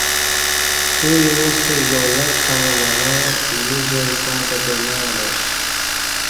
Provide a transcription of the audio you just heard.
تیو اِیموستہ اِجازت تݩع بغیر اینہ جائ پاتہ تے نہ الاش